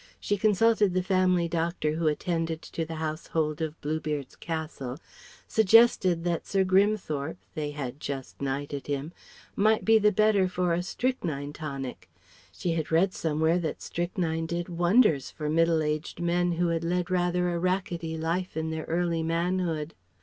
She consulted the family doctor who attended to the household of Bluebeard's Castle; suggested that Sir Grimthorpe (they had just knighted him) might be the better for a strychnine tonic; she had read somewhere that strychnine did wonders for middle aged men who had led rather a rackety life in their early manhood.